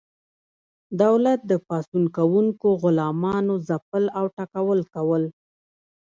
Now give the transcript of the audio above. دولت د پاڅون کوونکو غلامانو ځپل او ټکول کول.